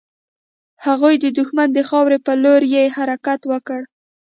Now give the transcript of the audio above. هغوی د دښمن د خاورې پر لور يې حرکت وکړ.